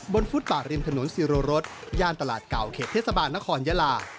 ฟุตป่าริมถนนศิโรรสย่านตลาดเก่าเขตเทศบาลนครยาลา